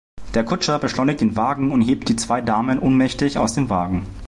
Der Kutscher beschleunigt den Wagen und hebt die zwei Damen ohnmächtig aus dem Wagen.